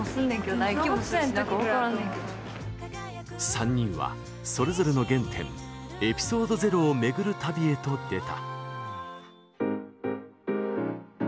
３人は、それぞれの原点エピソードゼロを巡る旅へと出た。